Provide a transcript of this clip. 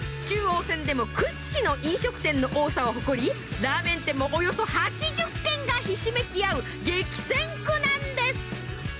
中央線でも屈指の飲食店の多さを誇りラーメン店もおよそ８０軒がひしめきあう激戦区なんです！